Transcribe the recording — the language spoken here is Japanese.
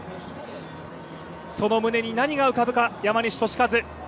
その胸に何が浮かぶか、山西利和。